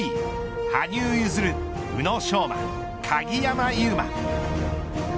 羽生結弦宇野昌磨鍵山優真。